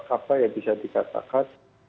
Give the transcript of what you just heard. apa yang bisa dikatakan